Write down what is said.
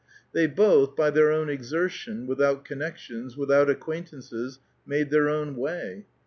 They both, by their o^n exertion, without connections, without acquaintances, ^^^ theur own way.